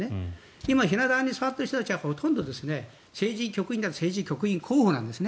今、ひな壇に座っている人たちはほとんど政治局員とか政治局員候補なんですね。